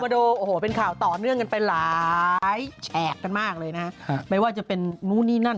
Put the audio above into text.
ดูโอ้โหเป็นข่าวต่อเนื่องกันไปหลายแฉกกันมากเลยนะฮะไม่ว่าจะเป็นนู่นนี่นั่น